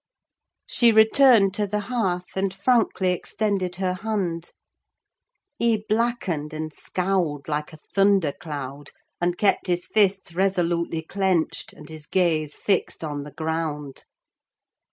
She returned to the hearth, and frankly extended her hand. He blackened and scowled like a thunder cloud, and kept his fists resolutely clenched, and his gaze fixed on the ground.